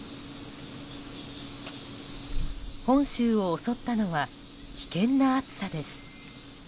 本州を襲ったのは危険な暑さです。